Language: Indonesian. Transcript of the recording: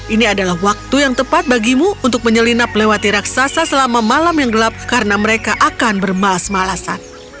ini adalah waktu yang tepat bagimu untuk menyelinap lewati raksasa selama malam yang gelap karena mereka akan bermalas malasan